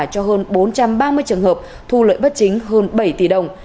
cho hơn bốn trăm ba mươi trường hợp thu lợi bất chính hơn bảy tỷ đồng